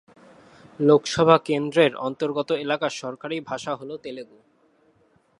লোকসভা কেন্দ্রের অন্তর্গত এলাকার সরকারি ভাষা হল তেলুগু।